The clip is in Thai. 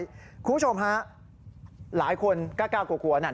คุณผู้ชมฮะหลายคนกล้ากลัวนั่น